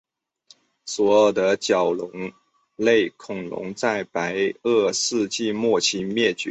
所有的角龙类恐龙在白垩纪末期灭绝。